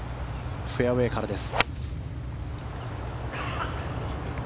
フェアウェーからです。